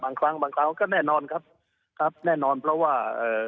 สองครั้งสองน้องครับแน่นอนเพราะว่า